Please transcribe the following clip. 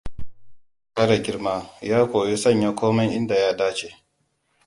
Da yake kara girma, ya koyi sanya komai inda ya dace.